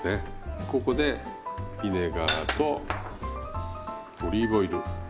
ここでビネガーとオリーブオイル。